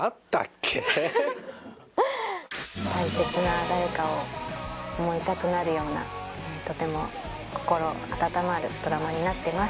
大切な誰かを思いたくなるようなとても心温まるドラマになってます